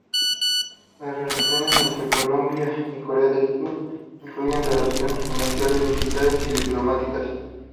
Las relaciones entre Colombia y Corea del Sur incluyen relaciones comerciales, militares y diplomáticas.